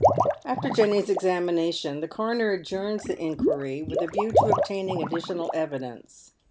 After Jenny's examination the coroner adjourns the inquiry, with a view to obtaining additional evidence.